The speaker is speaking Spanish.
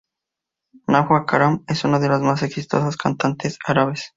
Najwa Karam es una de las más exitosas cantantes árabes.